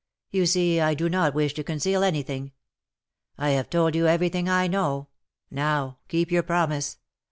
You see I do not wish to conceal anything, I have told you everything I know. Now keep your promise.